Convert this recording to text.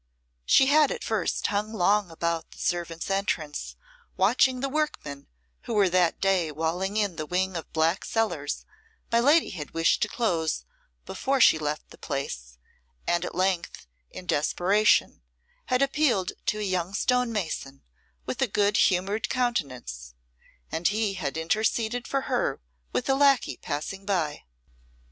She had at first hung long about the servants' entrance, watching the workmen who were that day walling in the wing of black cellars my lady had wished to close before she left the place, and at length, in desperation, had appealed to a young stone mason, with a good humoured countenance, and he had interceded for her with a lacquey passing by.